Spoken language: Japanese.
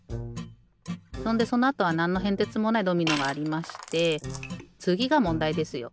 そんでそのあとはなんのへんてつもないドミノがありましてつぎがもんだいですよ。